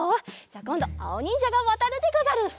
じゃあこんどあおにんじゃがわたるでござる！